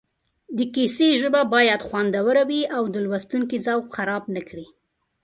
د کیسې ژبه باید خوندوره وي او د لوستونکي ذوق خراب نه کړي